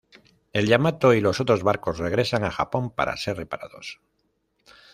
El "Yamato" y los otros barcos regresan a Japón para ser reparados.